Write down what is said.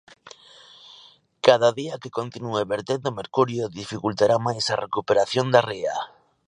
Cada día que continúe vertendo mercurio dificultará máis a recuperación da ría.